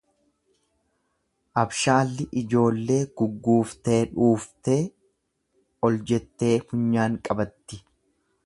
Abshaalli ijoollee gugguuftee dhuuftee oljettee funyaan qabatti.